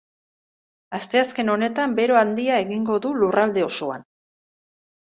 Asteazken honetan bero handia egingo du lurralde osoan.